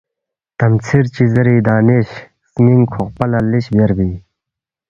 تم ژھیر چی زیری دانش ؔ سنینگ کھوقپا لا لش بیاربی